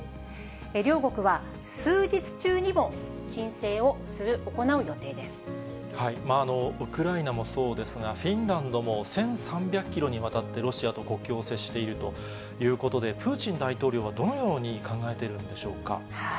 両国は、ウクライナもそうですが、フィンランドも１３００キロにわたってロシアと国境を接しているということで、プーチン大統領はどのように考えているんでしょうか。